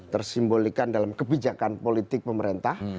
tersimbolikan dalam kebijakan politik pemerintah